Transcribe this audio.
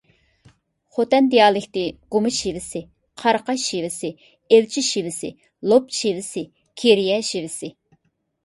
خوتەن دىئالېكتى: گۇما شېۋىسى، قاراقاش شېۋىسى، ئىلچى شېۋىسى، لوپ شېۋىسى، كىرىيە شېۋىسى.